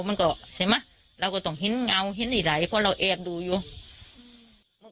มันก็ใช่ไหมเราก็ต้องเห็นเงาเห็นไอ้ไหลเพราะเราแอบดูอยู่